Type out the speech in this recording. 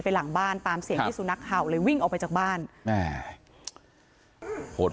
หลังบ้านตามเสียงที่สุนัขเห่าเลยวิ่งออกไปจากบ้านแม่หด